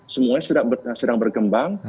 semuanya sedang berkembang